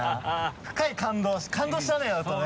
深い感動感動したねあとね。